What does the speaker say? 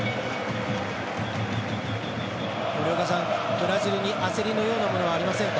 ブラジルに焦りのようなものはありませんか？